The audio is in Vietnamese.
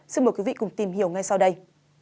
xin mời quý vị cùng tìm hiểu ngay sau đây